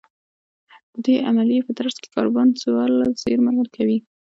د دې عملیې په ترڅ کې کاربن څوارلس زېرمه کوي